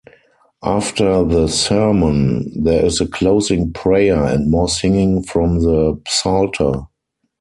After the sermon, there is a closing prayer and more singing from the Psalter.